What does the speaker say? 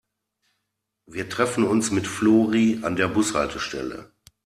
Wir treffen uns mit Flori an der Bushaltestelle.